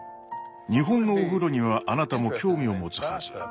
日本のお風呂にはあなたも興味を持つはず。